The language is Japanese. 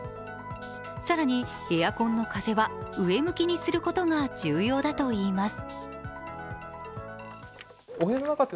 更にエアコンの風は上向きにすることが重要だといいます。